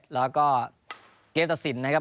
๑๕๒๑แล้วก็เกมสัก๕นะครับ